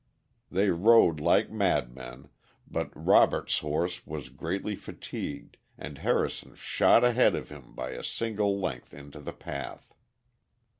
They rode like madmen, but Robert's horse was greatly fatigued and Harrison shot ahead of him by a single length into the path.